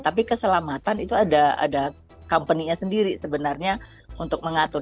tapi keselamatan itu ada company nya sendiri sebenarnya untuk mengatur